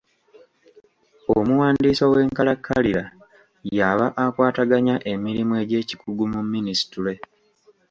Omuwandiisi ow’enkalakkalira y’aba akwataganya emirimu egy’ekikugu mu minisitule.